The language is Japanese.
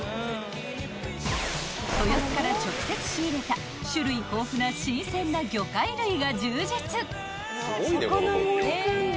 ［豊洲から直接仕入れた種類豊富な新鮮な魚介類が充実］